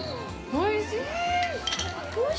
おいしい！